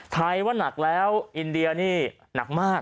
ไทยว่านักแล้วอินเดียนี่หนักมาก